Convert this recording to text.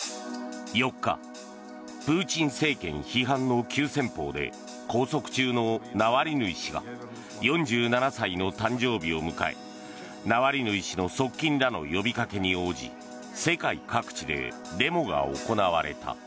４日、プーチン政権批判の急先鋒で拘束中のナワリヌイ氏が４７歳の誕生日を迎えナワリヌイ氏の側近らの呼びかけに応じ世界各地でデモが行われた。